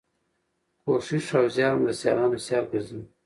کوښښ او زیار مو د سیالانو سیال ګرځوي.